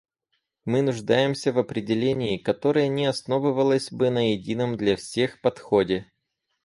Мы нуждаемся в определении, которое не основывалось бы на едином для всех подходе.